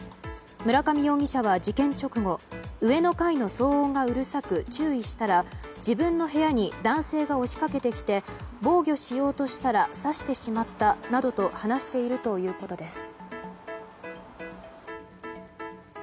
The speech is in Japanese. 村上容疑者は事件直後上の階の騒音がうるさく注意したら自分の部屋に男性が押しかけてきて防御しようとしたら刺してしまったなどと話しているということです。